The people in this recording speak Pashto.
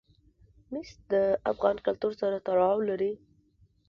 مس د افغان کلتور سره تړاو لري.